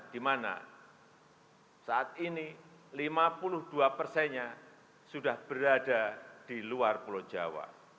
di mana saat ini lima puluh dua persennya sudah berada di luar pulau jawa